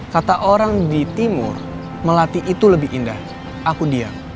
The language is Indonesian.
kata orang di timur melati itu lebih indah aku diam